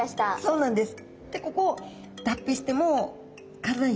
そうなんです。